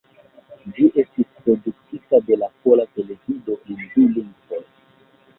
Ĝi estis produktita de la Pola Televido en du lingvoj.